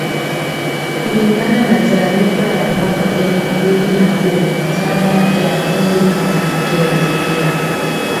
kulingana na taarifa ya mwaka elfu mbili na kumi saba ya kundi la kimazingira